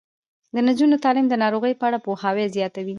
د نجونو تعلیم د ناروغیو په اړه پوهاوی زیاتوي.